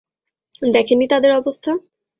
দেখেননি তাদের অবস্থা?